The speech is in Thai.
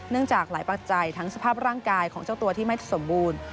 จากหลายปัจจัยทั้งสภาพร่างกายของเจ้าตัวที่ไม่สมบูรณ์